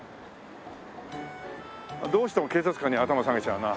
どうしても警察官に頭下げちゃうな。